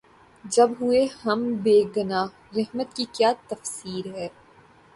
جب ہوئے ہم بے گنہ‘ رحمت کی کیا تفصیر ہے؟